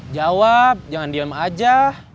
jawab jangan diem aja